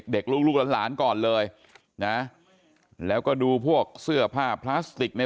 ลูกลูกหลานก่อนเลยนะแล้วก็ดูพวกเสื้อผ้าพลาสติกใน